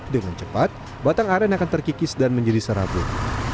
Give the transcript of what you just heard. dengan cepat batang aren akan terkikis dan menjadi serabut